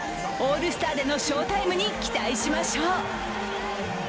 オールスターでの翔タイムに期待しましょう。